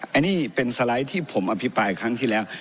อันนี้เป็นสไลด์ที่ผมอภิปรายครั้งที่แล้ว